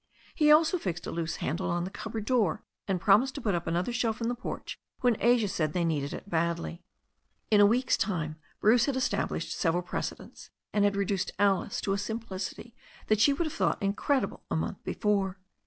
He also fixed a loose handle on the cupboard door, and promised to put up another shelf in the porch when Asia said they needed it badly. In a week's time Bruce had established several precedents and had reduced Alice to a simplicity that she would have THE STORY OF A NEW ZEALAND RIVER 163 thought incredible a month before.